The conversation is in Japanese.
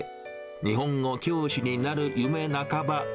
日本語教師になる夢半ば。